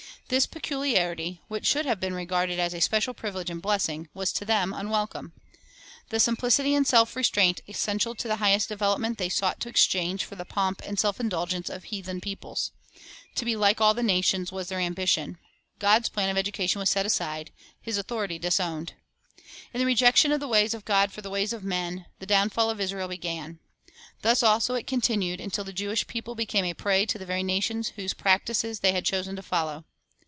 This pecu liarity, which should have been regarded as a special privilege and blessing, was to them unwelcome. The 4 In termingling with Idolaters Apostasy 50 II lustration s National Overthrow God's Plan Unchanged •'For Our Admonition" simplicity and self restraint essential to the highest devel opment they sought to exchange for the pomp and self indulgence of heathen peoples. To be "like all the nations " x was their ambition. God's plan of education was set aside, His authority disowned. In the rejection of the ways of God for the ways of men, the downfall of Israel began. Thus also it con tinued, until the Jewish people became a prey to the very nations whose practises they had chosen to follow.